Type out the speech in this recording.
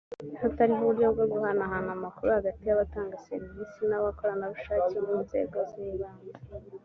hatariho uburyo bwo guhanahana amakuru hagati y’abatanga serivisi n’ abakorerabushake bo mu nzego z’ibanze